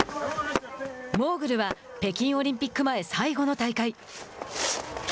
モーグルは北京オリンピック前最後の大会。